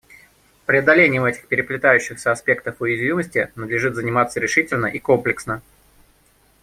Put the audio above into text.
Преодолением этих переплетающихся аспектов уязвимости надлежит заниматься решительно и комплексно.